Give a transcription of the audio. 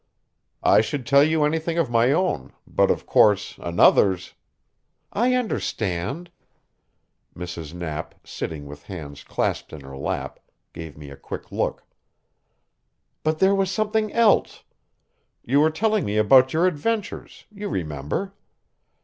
"I should tell you anything of my own, but, of course, another's " "I understand." Mrs. Knapp, sitting with hands clasped in her lap, gave me a quick look. "But there was something else. You were telling me about your adventures, you remember.